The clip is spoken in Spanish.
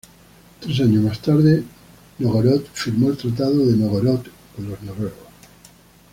Tres años más tarde, Nóvgorod firmó el Tratado de Nóvgorod con los noruegos.